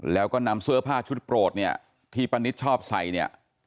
แล้วก็นำเสื้อผ้าชุดโปรดที่ป้านิชชอบใส่